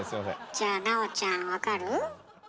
じゃあ奈緒ちゃん分かる？